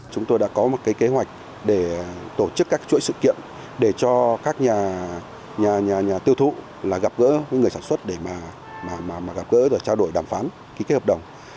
chúng tôi đã có một kế hoạch để tổ chức các chuỗi sự kiện để cho các nhà tiêu thụ gặp gỡ với người sản xuất để gặp gỡ và trao đổi đàm phán ký kế hợp đồng